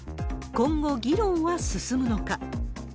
今後、議論は進むのか。